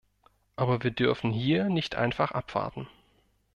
Aber wir dürfen hier nicht einfach abwarten.